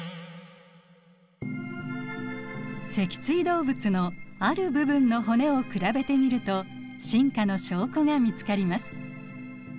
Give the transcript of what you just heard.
脊椎動物のある部分の骨を比べてみると進化の証拠が見つかります。